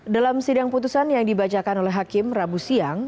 dalam sidang putusan yang dibacakan oleh hakim rabu siang